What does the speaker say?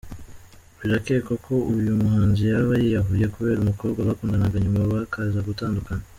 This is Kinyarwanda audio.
Birakekwako ko uyu muhanzi yaba yiyahuye kubera umukobwa bakundanaga nyuma bakaza gutandukana.